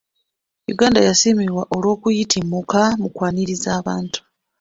Uganda yasiimibwa olw'okuyitimuka mu kwaniriza abantu.